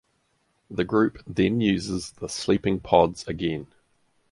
The group then uses the sleeping pods again.